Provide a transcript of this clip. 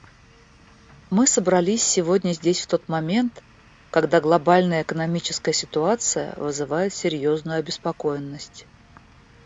Мы собрались сегодня здесь в тот момент, когда глобальная экономическая ситуация вызывает серьезную обеспокоенность.